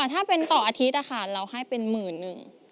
ถ้าเป็นต่ออาทิตย์เราให้เป็นหมื่นหนึ่ง